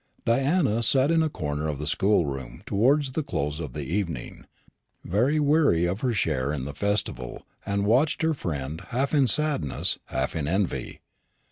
Diana sat in a corner of the schoolroom towards the close of the evening, very weary of her share in the festival, and watched her friend, half in sadness, half in envy.